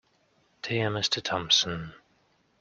Dear Mr Thompson.